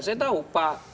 saya tahu pak